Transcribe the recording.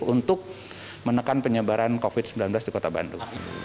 untuk menekan penyebaran covid sembilan belas di kota bandung